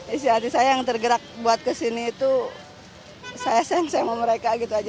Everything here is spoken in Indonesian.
isi hati saya yang tergerak buat kesini itu saya sengseng sama mereka gitu aja